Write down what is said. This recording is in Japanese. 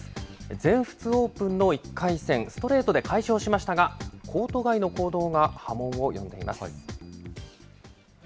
全仏オープンの１回戦、ストレートで快勝しましたが、コート外の行動が波紋を呼んでいます。